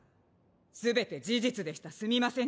「全て事実でしたすみません」